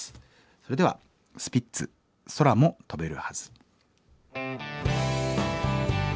それではスピッツ「空も飛べるはず」。